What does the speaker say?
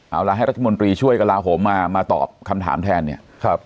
เอาละให้รัฐมนตรีช่วยกระลาโหมมามาตอบคำถามแทนเนี่ย